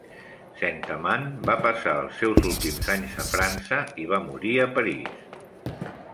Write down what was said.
Saint-Amant va passar els seus últims anys a França; i va morir a París.